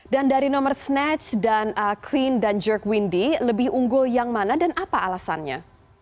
dan dari nomor snatch dan clean dan jerk windy lebih unggul yang mana dan apa alasannya